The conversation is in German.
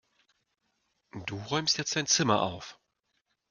Du räumst jetzt dein Zimmer auf!